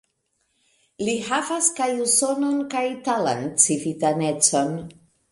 Li havas kaj usonan kaj italan civitanecon.